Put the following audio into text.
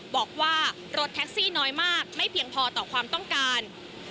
บอกว่ารถแท็กซี่น้อยมากไม่เพียงพอต่อความต้องการ